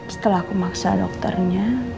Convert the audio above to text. setelah aku maksa dokternya